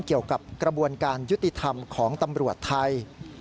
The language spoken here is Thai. เกี่ยวกับกระบวนการยุติธรรมของตำรวจไทย